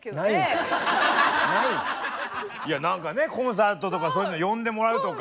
いや何かねコンサートとかそういうの呼んでもらうとか。